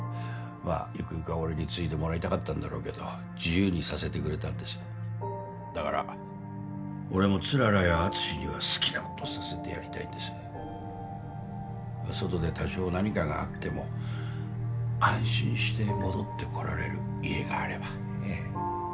まあゆくゆくは俺に継いでもらいたかったんだろうけど自由にさせてくれたんですだから俺も氷柱や敦には好きなことをさせてやりたいんです外で多少何かがあっても安心して戻ってこられる家があればねえ